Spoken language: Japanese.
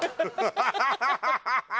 ハハハハ！